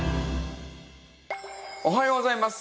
おはようございます。